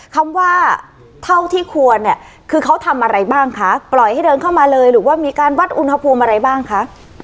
คำว่าเท่าที่ควรเนี่ยคือเขาทำอะไรบ้างคะปล่อยให้เดินเข้ามาเลยหรือว่ามีการวัดอุณหภูมิอะไรบ้างคะ